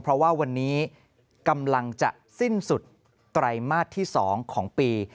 เพราะว่าวันนี้กำลังจะสิ้นสุดไตรมาสที่๒ของปี